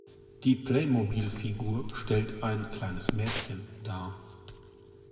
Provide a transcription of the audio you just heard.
Die Playmobilfigur stellt ein kleines Mädchen dar.